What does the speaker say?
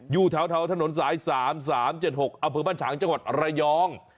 อยู่แถวถนนสาย๓๓๗๖อำเภอบ้านฉางจังหวัดระยอง